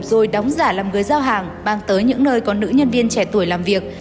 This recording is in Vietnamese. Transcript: rồi đóng giả làm người giao hàng mang tới những nơi có nữ nhân viên trẻ tuổi làm việc